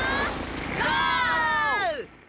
ゴー！